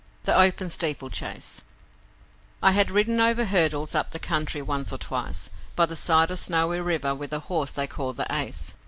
The Open Steeplechase I had ridden over hurdles up the country once or twice, By the side of Snowy River with a horse they called 'The Ace'.